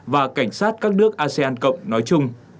và cảnh sát các nước asean cộng nói chung